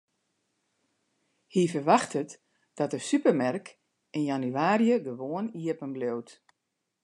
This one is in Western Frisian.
Hy ferwachtet dat de supermerk yn jannewaarje gewoan iepenbliuwt.